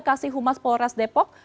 kasih humas polres depok